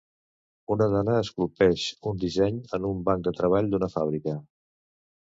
Una dona esculpeix un disseny en un banc de treball d'una fàbrica